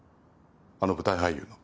あの舞台俳優の。